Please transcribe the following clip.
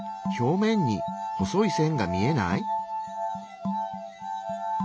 表面に細い線が見えない？